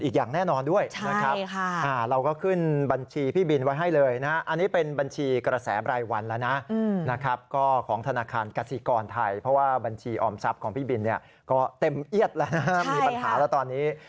ของพี่บินก็เต็มเอียดแล้วนะมีปัญหาแล้วตอนนี้